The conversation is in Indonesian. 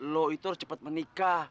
lo itu harus cepat menikah